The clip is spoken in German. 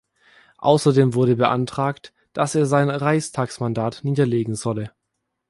Außerdem wurde beantragt, dass er sein Reichstagsmandat niederlegen solle.